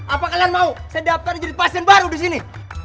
apa kalian mau saya daftar jadi pasien baru di sini